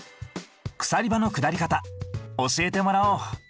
鎖場の下り方教えてもらおう。